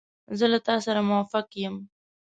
زه له تا سره موافق یم.